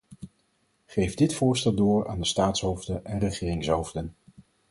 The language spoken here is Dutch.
Geef dit voorstel door aan de staatshoofden en regeringshoofden.